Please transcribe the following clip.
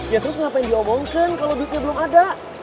ya terus ngapain diomongkan kalau duitnya belum ada